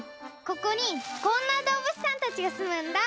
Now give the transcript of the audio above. ここにこんなどうぶつさんたちがすむんだ。